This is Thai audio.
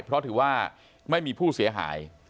เพราะถือว่าไม่มีผู้เสียหาย